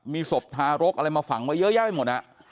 มีศพทารกอะไรมาฝังมาเยอะแยะไปหมดน่ะค่ะ